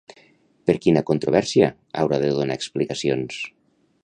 Per quina controvèrsia haurà de donar explicacions?